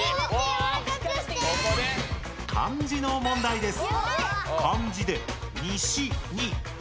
漢字の問題です。